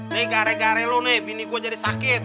nih gara gara relu nih bini gue jadi sakit